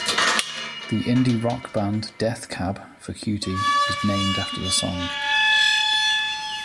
The indie rock band Death Cab for Cutie was named after the song.